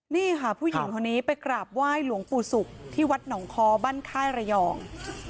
นี่ค่ะผู้หญิงคนนี้ไปกราบไหว้หลวงปู่ศุกร์ที่วัดหนองคอบ้านค่ายระยอง